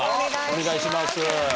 お願いします。